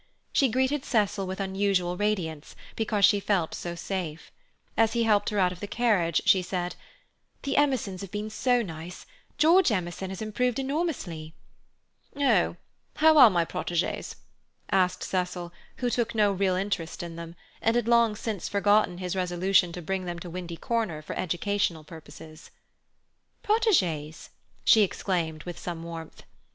She greeted Cecil with unusual radiance, because she felt so safe. As he helped her out of the carriage, she said: "The Emersons have been so nice. George Emerson has improved enormously." "How are my protégés?" asked Cecil, who took no real interest in them, and had long since forgotten his resolution to bring them to Windy Corner for educational purposes. "Protégés!" she exclaimed with some warmth.